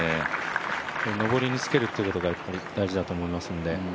上りにつけるというのが、大事だと思うので。